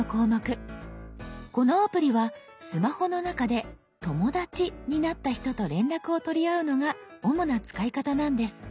このアプリはスマホの中で「友だち」になった人と連絡を取り合うのが主な使い方なんです。